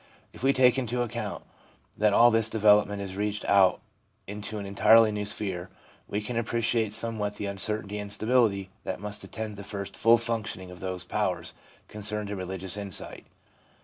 If we take into account that all this development is reaching out into an entirely new sphere, we can appreciate somewhat the uncertainty and instability that must attend the first full functioning of those powers concerned in religious insight.